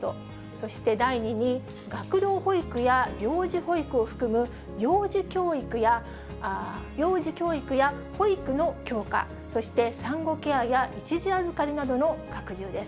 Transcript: そして第２に、学童保育や病児保育を含む幼児教育や保育の強化、産後ケアや一時預かりなどの拡充です。